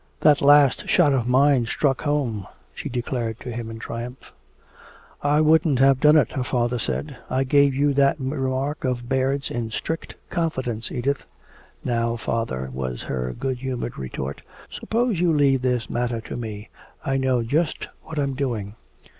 "That last shot of mine struck home," she declared to him in triumph. "I wouldn't have done it," her father said. "I gave you that remark of Baird's in strict confidence, Edith " "Now father," was her good humored retort, "suppose you leave this matter to me. I know just what I'm doing."